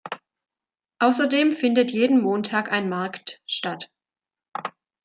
Außerdem findet jeden Montag ein Markt statt.